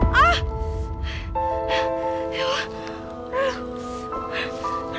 ya allah aduh